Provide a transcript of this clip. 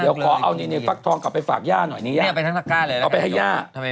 เดี๋ยวขอเอานี่ฟักทองกลับไปฝากย่านหน่อยนี่ทำไมคนนี้มีผักอย่างเงี้ย